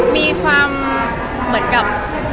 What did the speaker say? มีความเหมือนกับ